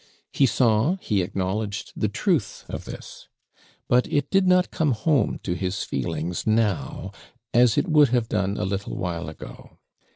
He saw, he acknowledged the truth of this; but it did not come home to his feelings now as it would have done a little while ago.